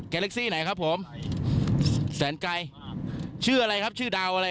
เข้ามาจากแกล็กซี่